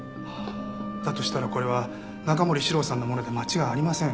だとしたらこれは中森司郎さんのもので間違いありません。